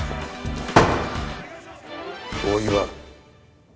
大岩。